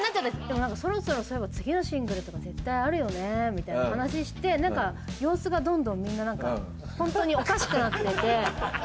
でもそろそろそういえば次のシングルとか絶対あるよねみたいな話してなんか様子がどんどんみんななんかホントにおかしくなってて。